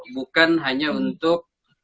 bukan hanya untuk